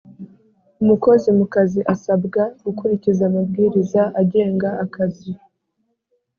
Umukozi mukazi asabwa gukurikiza amabwiriza agenga akazi